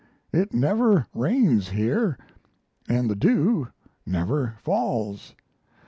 It never rains here, and the dew never falls.